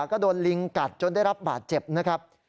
ก็โดนลิงกัดจนได้รับบาดเจ็บนะครับ